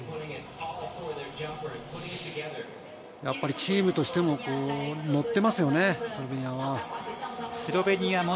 やっぱりチームとしても持っていますよね、スロベニアは。